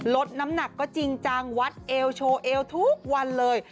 ลดน้ำหนักก็จริงจังวัดเอวโชว์เอวทุกวันเลย